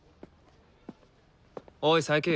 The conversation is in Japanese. おい佐伯。